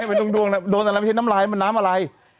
นี้มันต้องดุ่งโดนอะไรมัวน้ำลายว่าน้ำอะไร